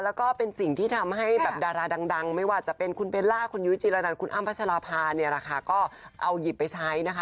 แล้วก็เป็นสิ่งที่ได้ทำดาราดังดังไม่ว่าจะเป็นคุณเปล่าคุณยุ้ยจราวรรณคุณอัมพระชรภาคาร้าลก็เอาหยิบไปใช้นะคะ